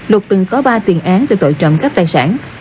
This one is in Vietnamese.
lục từng có ba tiền án về tội trộm cắp tài sản